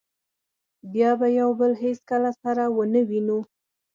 بیا به یو بل هېڅکله سره و نه وینو.